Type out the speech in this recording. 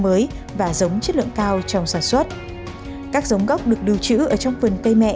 mới và giống chất lượng cao trong sản xuất các giống gốc được lưu trữ ở trong phần cây mẹ